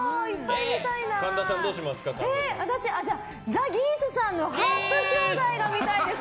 ザ・ギースのハープ兄弟が見たいです。